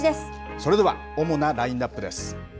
それでは主なラインナップです。